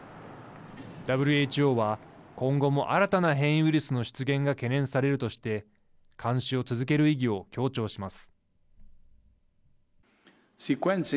ＷＨＯは今後も新たな変異ウイルスの出現が懸念されるとして監視を続ける意義を強調します。